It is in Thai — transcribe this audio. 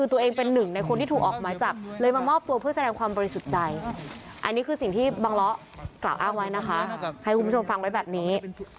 อันนี้คือสิ่งที่บางล้อกล่าวอ้าวไว้นะคะให้คุณผู้ชมฟังไว้แบบนี้